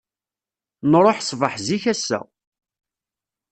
Nṛuḥ ssbeḥ zik ass-a.